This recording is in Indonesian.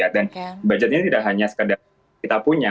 dan budget ini tidak hanya sekedar kita punya